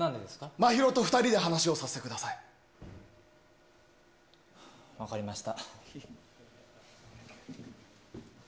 真宙と２人で話をさせてくだ分かりました。